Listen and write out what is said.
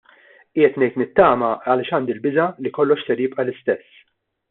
Qiegħed ngħid nittama għaliex għandi l-biża' li kollox ser jibqa' l-istess.